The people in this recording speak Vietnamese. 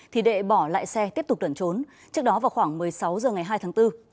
thì đệ bỏ lại xe tiếp tục đẩn trốn trước đó vào khoảng một mươi sáu h ngày hai tháng bốn